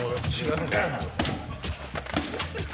うん？